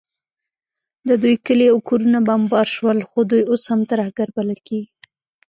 د دوی کلي او کورونه بمبار سول، خو دوی اوس هم ترهګر بلل کیږي